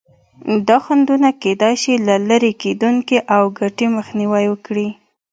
دا خنډونه کېدای شي نه لرې کېدونکي او د ګټې مخنیوی وکړي.